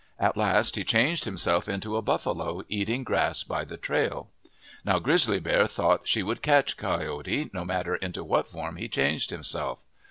At last he changed himself into a buffalo eating grass by the trail. Now Grizzly Bear thought she would catch Coyote, no matter into what form he changed himself.